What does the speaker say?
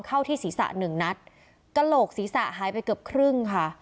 เข้าที่ศีรษะหนึ่งนัดกระโหลกศีรษะหายไปเกือบครึ่งค่ะ